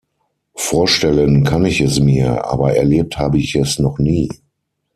Vorstellen kann ich es mir, aber erlebt habe ich es noch nie.